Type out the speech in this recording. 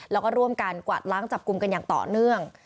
แล้วก็ร่วมกันกวาดล้างจับกลุ่มกันอย่างต่อเนื่อง